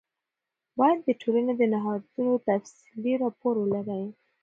باید د ټولنې د نهادونو تفصیلي راپور ولرئ.